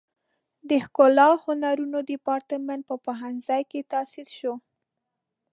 د ښکلو هنرونو دیپارتمنټ په پوهنځي کې تاسیس شو.